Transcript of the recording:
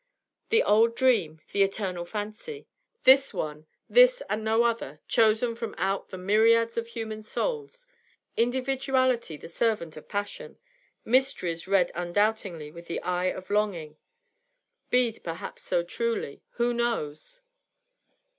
The old dream, the eternal fancy. This one, this and no other, chosen from out the myriads of human souls. Individuality the servant of passion; mysteries read undoubtingly with the eye of longing. Bead perhaps so truly; who knows?